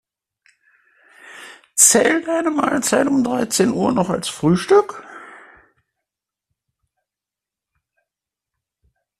Zählt eine Mahlzeit um dreizehn Uhr noch als Frühstück?